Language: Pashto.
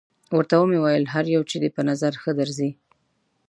ورته ومې ویل: هر یو چې دې په نظر ښه درځي.